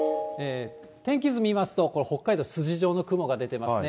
天気図見ますと、北海道筋状の雲が出てますね。